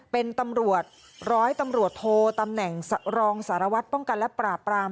เป็นตำรวจร้อยตำรวจโทตำแหน่งรองสารวัตรป้องกันและปราบปราม